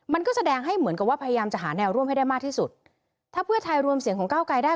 มันก็แสดงให้เหมือนกับว่าพยายามจะหาแนวร่วมให้ได้มากที่สุดถ้าเพื่อไทยรวมเสียงของก้าวไกลได้